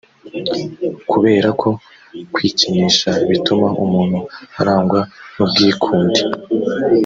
kubera ko kwikinisha bituma umuntu arangwa n ubwikunde